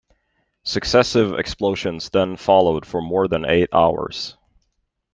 Successive explosions then followed for more than eight hours.